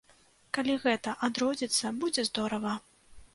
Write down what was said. Калі гэта адродзіцца, будзе здорава.